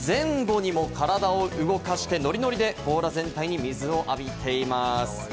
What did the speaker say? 前後にも体を動かしてノリノリで甲羅全体に水を浴びています。